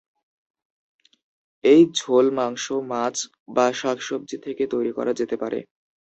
এই ঝোল মাংস, মাছ বা শাকসবজি থেকে তৈরি করা যেতে পারে।